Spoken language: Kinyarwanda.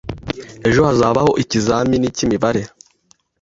Ejo hazabaho ikizamini cyimibare.